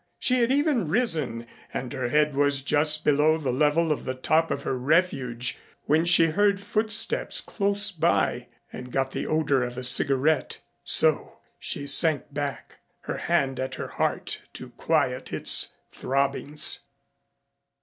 She had even risen and her head was just below the level of the top of her refuge when she heard footsteps close by and got the odor of a cigarette. So she sank back, her hand at her heart to quiet its throbbings.